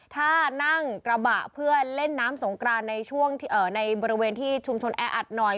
ถ้านั่งกระบะเพื่อเล่นน้ำสงกรานในแบรวินที่ชุมชนแอดหน่อย